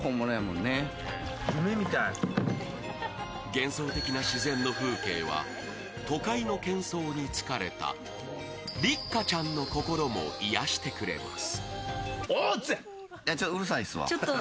幻想的な自然の風景は都会のけん騒に疲れた六花ちゃんの心も癒やしてくれます。